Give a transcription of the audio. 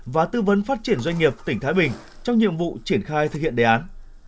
và tư vấn phát triển doanh nghiệp tỉnh thái bình trong nhiệm vụ triển khai thực hiện đề án